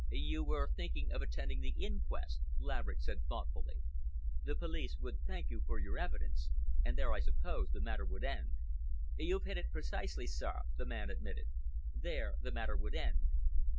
"You were thinking of attending the inquest," Laverick said thoughtfully. "The police would thank you for your evidence, and there, I suppose, the matter would end." "You've hit it precisely, sir," the man admitted. "There the matter would end."